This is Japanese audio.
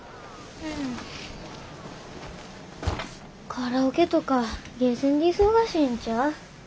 カラオケとかゲーセンで忙しいんちゃう？